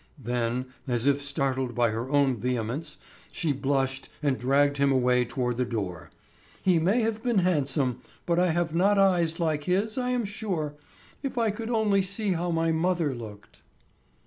Then, as if startled by her own vehemence, she blushed and dragged him away toward the door. "He may have been handsome, but I have not eyes like his, I am sure. If I could only see how my mother looked."